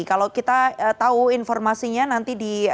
kalau kita tahu informasinya nanti di